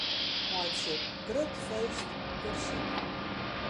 Meitsje 'grut feest' kursyf.